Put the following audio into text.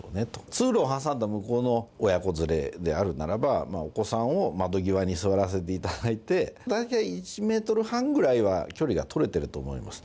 通路を挟んだ向こうの親子連れであるならば、お子さんを窓際に座らせていただいて、大体１メートル半ぐらいは距離が取れてると思います。